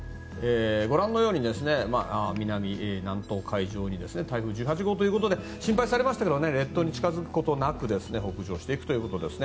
ご覧のように南東海上に台風１８号ということで心配されましたけど列島に近づくことなく北上していくということです。